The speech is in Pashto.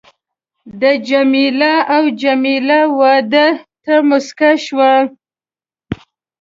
ده جميله او جميله وه ده ته مسکی شول.